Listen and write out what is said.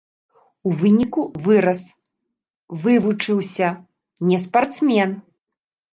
У выніку вырас, вывучыўся, не спартсмен.